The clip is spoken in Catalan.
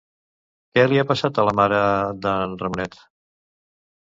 Què li ha passat a la mare d'en Ramonet?